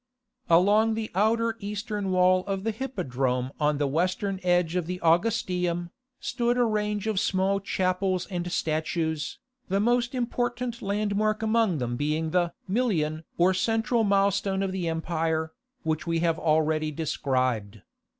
Along the outer eastern wall of the Hippodrome on the western edge of the Augustaeum, stood a range of small chapels and statues, the most important landmark among them being the Milion or central milestone of the empire, which we have already described.